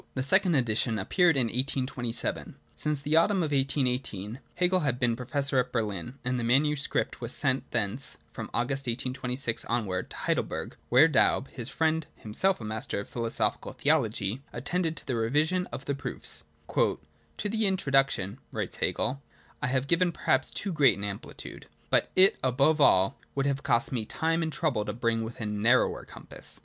The second edition appeared in 1827. Since the autumn of 1818 Hegel had been professor at Berlin : and the manuscript was sent thence (from August 1826 onwards) to Heidelberg, where Daub, his friend — him self a master in philosophical theology — attended to the revision of the proofs. 'To the Introduction,' writes (Hegel ',' I have given perhaps too great an amplitude : but it, above all, would have cost me time and trouble to bring within narrower compass.